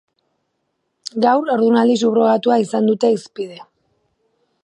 Gaur, haurdunaldi subrogatua izan dute hizpide.